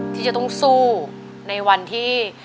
ที่จะต้องสู้ในวันที่